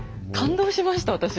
感動しました私。